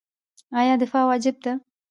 آیا دفاع واجب ده؟